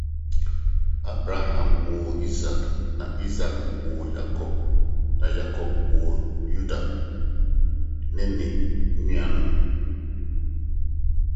Charette began learning about piano from his mother Catherine.